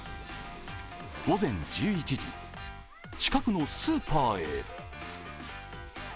午前１１時、近くのスーパーへ。